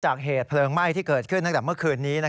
เหตุเพลิงไหม้ที่เกิดขึ้นตั้งแต่เมื่อคืนนี้